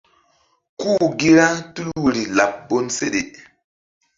́U gi ra tul woyri laɓ bonseɗe.